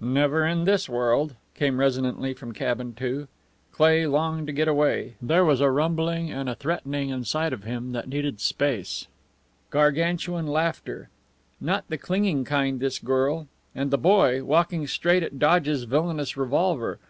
"Never in this world!" came resonantly from Cabin Two. Cleigh longed to get away. There was a rumbling and a threatening inside of him that needed space Gargantuan laughter. Not the clinging kind, this girl! And the boy, walking straight at Dodge's villainous revolver!